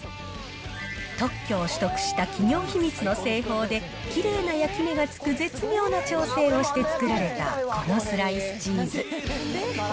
特許を取得した企業秘密の製法で、きれいな焼き目がつく絶妙な調整をして作られたこのスライスチーズ。